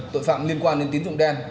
tội phạm liên quan đến tín dụng đen